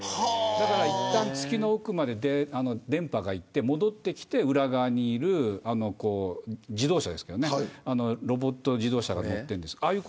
だから、いったん月の奥まで電波がいって戻ってきて裏側にいるロボット自動車が乗っているんですが。